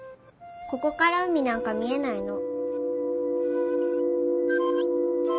ここから海なんか見えないの。